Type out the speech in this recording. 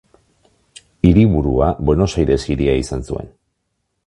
Hiriburua Buenos Aires hiria izan zuen.